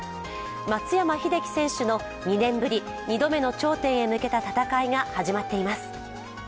松山英樹選手の２年ぶり、２度目の頂点へ向けた戦いが始まっています。